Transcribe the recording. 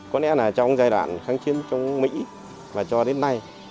có lẽ là trong giai đoạn kháng chiến trong mỹ và cho đến nay